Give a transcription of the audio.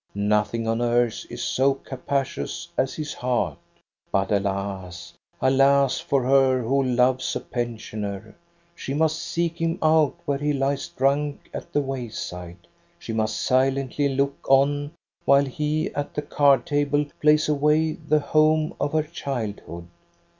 Nothing on earth is so capacious as his heart. But alas, alas for her who loves a pensioner. She must seek him out where he lies drunk at the wayside. She must silently look on while he at the card table plays away the home of her childhood.